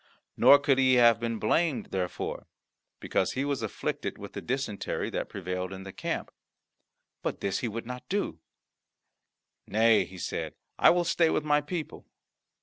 Nor could he have been blamed therefor, because he was afflicted with the dysentery that prevailed in the camp. But this he would not do; "Nay," he said, "I will stay with my people."